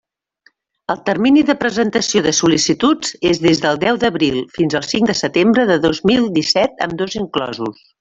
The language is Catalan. El termini de presentació de sol·licituds és des del deu d'abril fins al cinc de setembre de dos mil disset, ambdós inclosos.